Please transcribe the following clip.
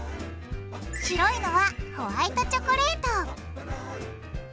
白いのはホワイトチョコレート